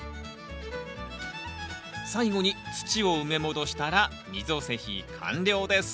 最後に土を埋め戻したら溝施肥完了です。